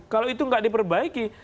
kalau itu tidak diperbaiki